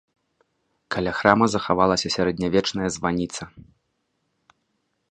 Каля храма захавалася сярэднявечная званіца.